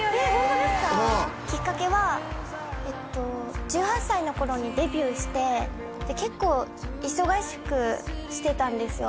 うんきっかけは１８歳の頃にデビューしてで結構忙しくしてたんですよ